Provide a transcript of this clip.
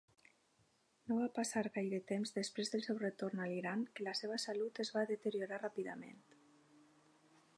No va passar gaire temps després del seu retorn a l'Iran que la seva salut es va deteriorar ràpidament.